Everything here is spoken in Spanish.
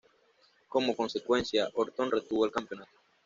Como consecuencia, Orton retuvo el campeonato.